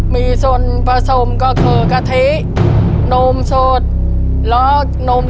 มีส่วนผสมก็คือกะทินมสดแล้วนม